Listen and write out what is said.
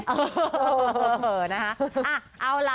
เออนะคะ